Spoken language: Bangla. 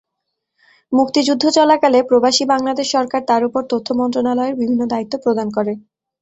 মুক্তিযুদ্ধ চলাকালে প্রবাসী বাংলাদেশ সরকার তার উপর তথ্য মন্ত্রণালয়ের বিভিন্ন দায়িত্ব প্রদান করে।